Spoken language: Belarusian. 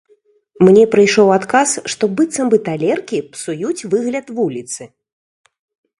Мне прыйшоў адказ, што быццам бы талеркі псуюць выгляд вуліцы.